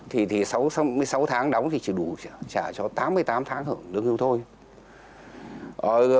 thì sáu mươi sáu tháng đóng thì chỉ đủ trả cho tám mươi tám tháng hưởng lương hưu thôi